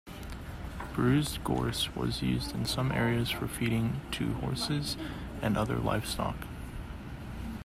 Bruised gorse was used in some areas for feeding to horses and other livestock.